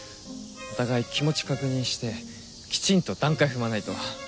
お互い気持ち確認してきちんと段階踏まないと。